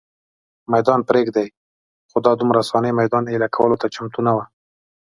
مېدان پرېږدي، خو دا په دومره آسانۍ مېدان اېله کولو ته چمتو نه وه.